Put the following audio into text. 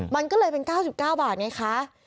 มันก็เลยเป็น๙๙บาทไงคะ